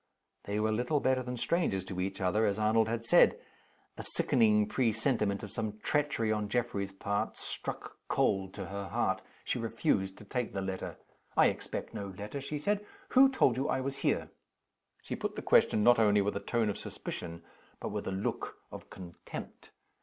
They were little better than strangers to each other, as Arnold had said. A sickening presentiment of some treachery on Geoffrey's part struck cold to her heart. She refused to take the letter. "I expect no letter," she said. "Who told you I was here?" She put the question, not only with a tone of suspicion, but with a look of contempt.